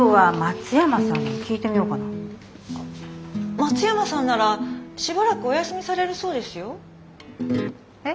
松山さんならしばらくお休みされるそうですよ。